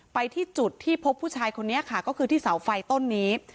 ไปที่จุดที่พบผู้ชายคนนี้ค่ะก็คือที่เสาไฟต้นนี้